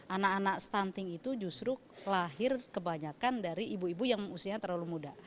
anak anak stunting itu justru lahir kebanyakan dari ibu ibu yang usianya terlalu muda